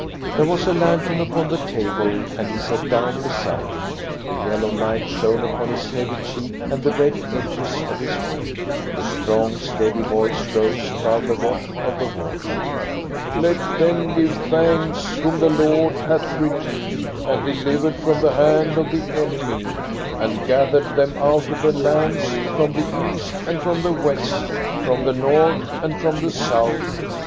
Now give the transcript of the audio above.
There was a lantern upon the table, and he sat down beside it. The yellow light shone upon his heavy cheek and the red edges of his book. The strong, steady voice rose above the wash of the water. "'Let them give thanks whom the Lord hath redeemed and delivered from the hand of the enemy, and gathered them out of the lands, from the east, and from the west, from the north, and from the south.